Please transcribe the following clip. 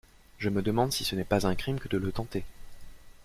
Je me demande si ce n'est pas un crime que de le tenter!